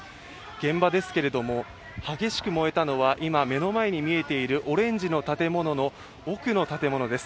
現場ですけれども、激しく燃えたのは今、目の前に見えているオレンジの建物の奥の建物です。